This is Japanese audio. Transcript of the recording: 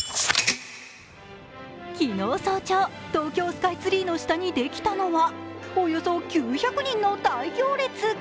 昨日早朝、東京スカイツリーの下にできたのは、およそ９００人の大行列。